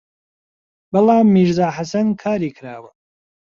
بەڵام «میرزا حەسەن» کاری کراوە